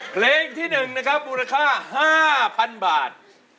เพลงที่๑นะครับมูลค่า๕๐๐๐บาท